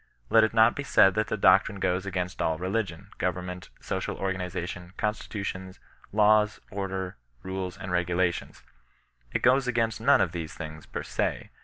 Let it not be said that the doctrine goes against aU religion, goyemment, social organization, constitutions, laws, order, rules, and regulations. It goes against none of these things, per se.